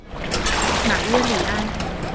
马约里安。